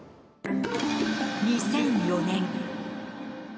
２００４年。